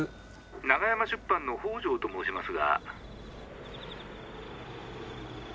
☎長山出版の北條と申しますが。